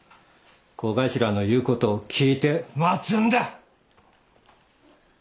小頭の言う事を聞いて待つんだ！